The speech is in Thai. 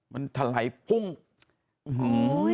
มันถลายพุ่งโอ้โห